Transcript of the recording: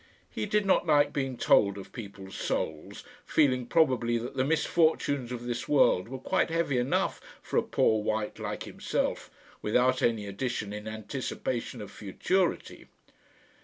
He did not like being told of people's souls, feeling probably that the misfortunes of this world were quite heavy enough for a poor wight like himself, without any addition in anticipation of futurity.